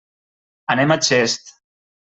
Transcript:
Anem a Xest.